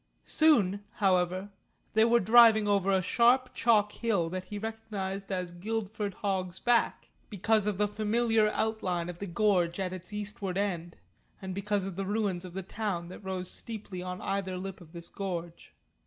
Soon, however, they were driving over a sharp chalk hill that he recognised as the Guildford Hog's Back, because of the familiar outline of the gorge at its eastward end, and because of the ruins of the town that rose steeply on either lip of this gorge.